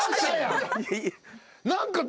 何か。